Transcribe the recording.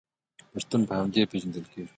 پښتون په همدې پیژندل کیږي.